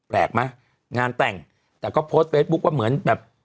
แปลกไหมงานแต่งแต่ก็โพสต์เฟซบุ๊คว่าเหมือนแบบ